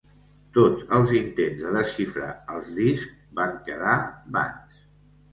Tots els intents de desxifrar els discs van quedar vans.